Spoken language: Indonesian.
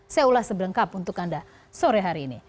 saya ulas sebelengkap untuk anda sore hari ini